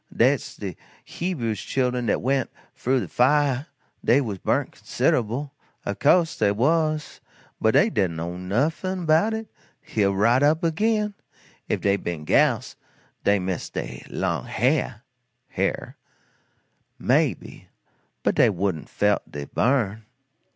Date's de Hebrew chil'en dat went frough de fiah; dey was burnt considable ob coase dey was; but dey didn't know nuffin 'bout it heal right up agin; if dey'd ben gals dey'd missed dey long haah, (hair,) maybe, but dey wouldn't felt de burn."